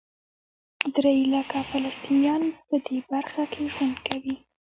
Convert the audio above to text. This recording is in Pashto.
درې لکه فلسطینیان په دې برخه کې ژوند کوي.